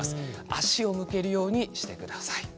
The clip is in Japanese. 足を向けるようにしてください。